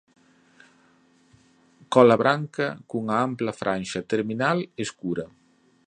Cola branca cunha ampla franxa terminal escura.